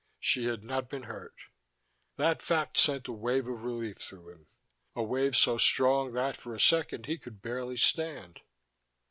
She had not been hurt. That fact sent a wave of relief through him, a wave so strong that for a second he could barely stand.